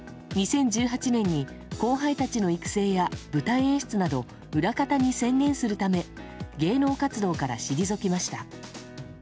２０１８年に後輩たちの育成や舞台演出など裏方に専念するため芸能活動から退きました。